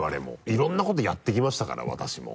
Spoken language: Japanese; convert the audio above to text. いろんなことやってきましたから私も。